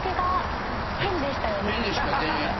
変でしたね。